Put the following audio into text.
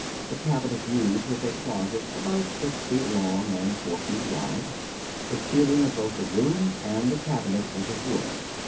The cabinet used was a closet about six feet long and four feet wide. The ceiling of both the room and the cabinet was of wood.